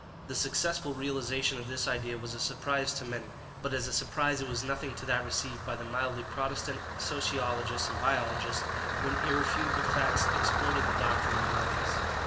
The successful realization of this idea was a surprise to many, but as a surprise it was nothing to that received by the mildly protestant sociologists and biologists when irrefutable facts exploded the doctrine of Malthus.